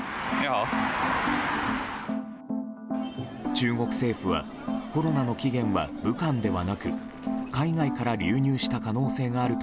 中国政府はコロナの起源は武漢ではなく海外から流入した可能性があると